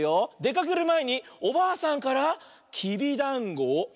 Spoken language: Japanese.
かけるまえにおばあさんからきびだんごを。